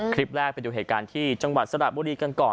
คลิปแรกไปดูเหตุการณ์ที่จังหวัดสระบุรีกันก่อน